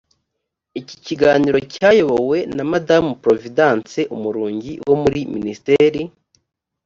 iki kiganiro cyayobowe na madamu providence umurungi wo muri minisiteri